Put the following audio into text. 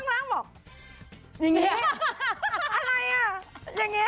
อะไรอ่ะอย่างเงี้ย